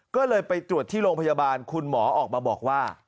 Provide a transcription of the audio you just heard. ก็เลยไปตรวจที่โรงพยาบาลคุณหมอออกมาบอกว่า